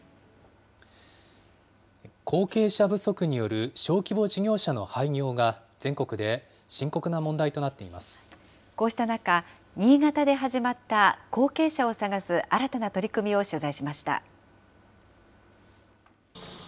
後継者不足による小規模事業者の廃業が、こうした中、新潟で始まった後継者を探す新たな取り組みを取材しました。